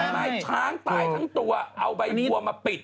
นายช้างตายทั้งตัวเอาใบบัวมาปิด